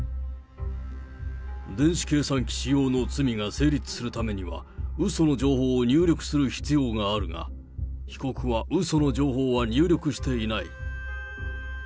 電子計算機使用の罪が成立するためには、うその情報を入力する必要があるが、被告はうその情報は入力していない。